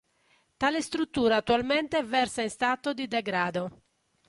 Tale struttura attualmente versa in stato di degrado.